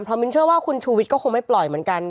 เพราะมินเชื่อว่าคุณชูวิทย์ก็คงไม่ปล่อยเหมือนกัน